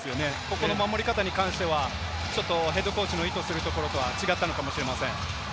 ここの守り方に関してはＨＣの意図するところとは違ったのかもしれません。